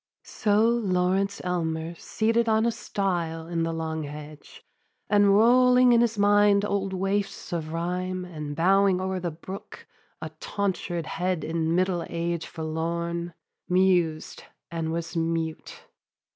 So Lawrence Aylmer, seated on a style In the long hedge, and rolling in his mind Old waifs of rhyme, and bowing o'er the brook A tonsured head in middle age forlorn, Mused, and was mute.